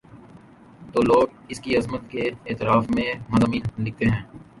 تو لوگ اس کی عظمت کے اعتراف میں مضامین لکھتے ہیں۔